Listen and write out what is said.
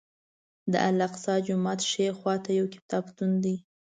د الاقصی جومات ښي خوا ته یو کتابتون دی.